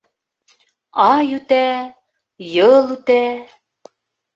Ай үтә, йыл үтә